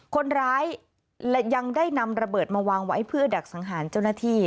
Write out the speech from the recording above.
คนร้ายยังได้นำระเบิดมาวางไว้เพื่อดักสังหารเจ้าหน้าที่